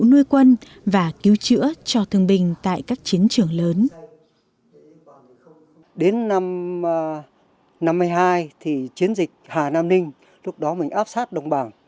nuôi quân và cứu chữa